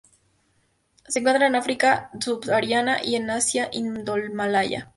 Se encuentran en el África subsahariana y el Asia indomalaya.